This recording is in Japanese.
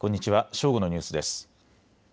正午のニュースです。